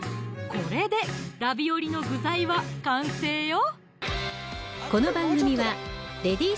これでラビオリの具材は完成よ